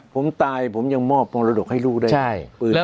ผมตายผมยังมอบมรดกให้ลูกได้